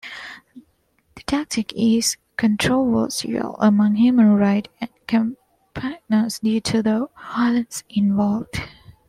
The tactic is controversial among human rights campaigners due to the violence involved.